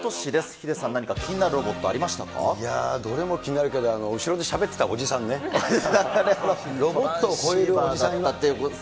ヒデさん、何か気になるロボットいやぁ、どれも気になるけど、後ろでしゃべってたおじさんね、あれはロボットを超えるおじさん。